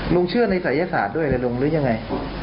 เชื่อในศัยศาสตร์ด้วยเลยลุงหรือยังไง